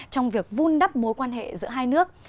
trong việc vun đắp mối quan hệ giữa hai nước